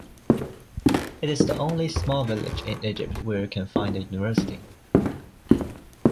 It is the only small village in Egypt where you can find a university.